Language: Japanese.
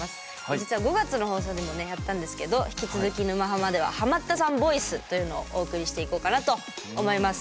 実は５月の放送でもやったんですけど引き続き「沼ハマ」ではハマったさんボイスというのをお送りしていこうかなと思います。